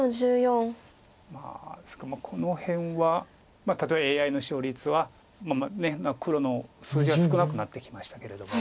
まあこの辺はたとえＡＩの勝率は黒の数字は少なくなってきましたけれども。